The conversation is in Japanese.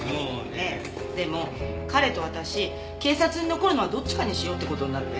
でも彼と私警察に残るのはどっちかにしようって事になって。